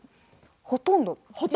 ほとんど。